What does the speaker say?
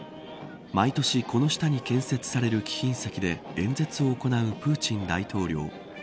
毎年この下に建設される貴賓席で演説を行うプーチン大統領。